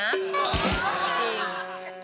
จริง